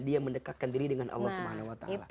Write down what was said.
dia mendekatkan diri dengan allah swt